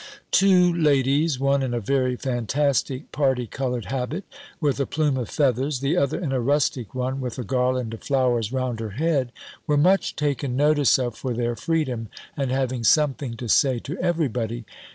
Two ladies, one in a very fantastic party coloured habit, with a plume of feathers, the other in a rustic one, with a garland of flowers round her head, were much taken notice of for their freedom, and having something to say to every body.